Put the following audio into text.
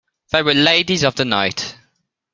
They were ladies of the night.